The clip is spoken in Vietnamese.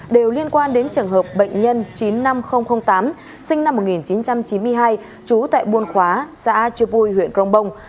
đều liên quan đến trường hợp bệnh nhân chín mươi năm nghìn tám sinh năm một nghìn chín trăm chín mươi hai trú tại buôn khóa xã chư pui huyện crong bông